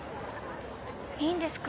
いいんですか？